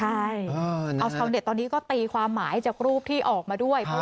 ใช่เอาชาวเน็ตตอนนี้ก็ตีความหมายจากรูปที่ออกมาด้วย